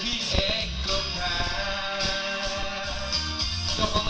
ไม่ได้มาบอก